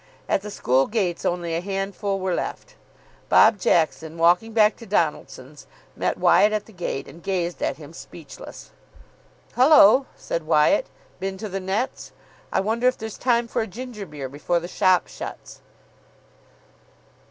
At the school gates only a handful were left. Bob Jackson, walking back to Donaldson's, met Wyatt at the gate, and gazed at him, speechless. "Hullo," said Wyatt, "been to the nets? I wonder if there's time for a ginger beer before the shop shuts."